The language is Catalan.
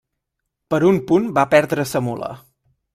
Per un punt va perdre sa mula.